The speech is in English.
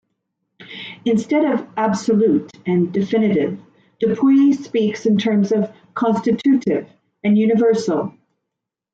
Instead of "absolute" and "definitive", Dupuis speaks in terms of "constitutive" and "universal".